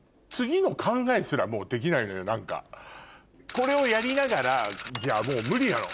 これをやりながらじゃもう無理なの。